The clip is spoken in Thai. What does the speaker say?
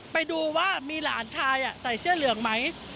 ไปดูว่ามีหลานชายใส่เสื้อเหลืองไหม